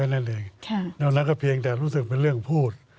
นั่นเลยนอกนั้นก็เพียงแต่รู้สึกเป็นเรื่องพูด